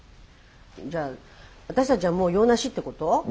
じゃあ私たちはもう用なしってこと？